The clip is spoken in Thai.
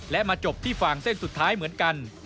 และมาจบที่ฝั่งเส้นสุดท้ายเหมือนกัน